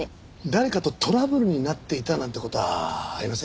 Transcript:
誰かとトラブルになっていたなんて事はありませんでしたかね。